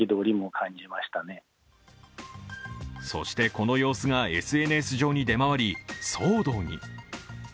そして、この様子がＳＮＳ上に出回り、騒動に。